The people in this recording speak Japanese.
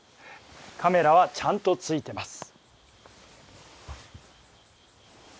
カメラはちゃんとついてます。